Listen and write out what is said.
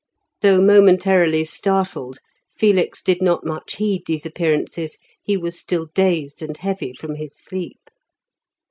Though momentarily startled, Felix did not much heed these appearances; he was still dazed and heavy from his sleep.